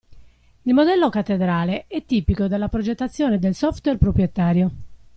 Il modello "cattedrale" è tipico della progettazione del software proprietario.